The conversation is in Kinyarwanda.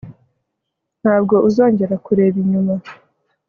ntabwo uzongera kureba inyuma